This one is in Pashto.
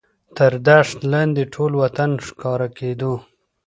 تر دښت لاندې ټول وطن ښکاره کېدو.